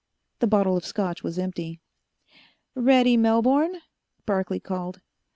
The bottle of Scotch was empty. "Ready, Melbourne?" Barclay called.